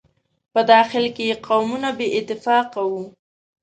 په داخل کې یې قومونه بې اتفاقه وو.